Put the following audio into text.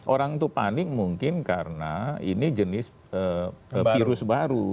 orang itu panik mungkin karena ini jenis virus baru